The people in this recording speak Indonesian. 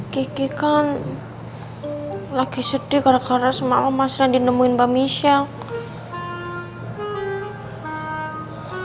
kiki kan lagi sedih karena semalam mas randy nemuin mbak michelle